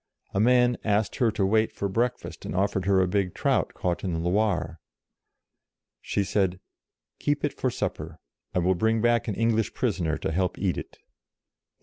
A man asked her to wait for breakfast, and offered her a big trout caught in the Loire. She said, " Keep it for supper. I will bring back an English prisoner to help to eat it.